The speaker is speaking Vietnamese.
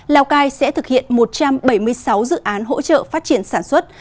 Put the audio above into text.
lào cai sẽ thực hiện một trăm bảy mươi sáu dự án hỗ trợ phát triển sản xuất